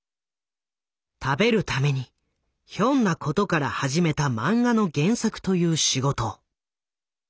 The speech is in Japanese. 食べるためにひょんなことから始めた漫画の原作という仕事。